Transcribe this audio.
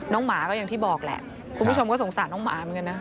หมาก็อย่างที่บอกแหละคุณผู้ชมก็สงสารน้องหมาเหมือนกันนะ